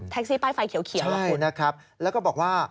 แท็กซี่ป้ายไฟเขียวหรอคุณใช่แล้วก็บอกว่า